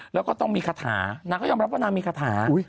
แล้วก็ต้องมีคาถานางก็ยอมรับว่านางมีคาถา